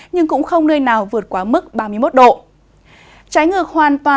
nhưng cũng không nơi nào vượt quá mức ba mươi một độ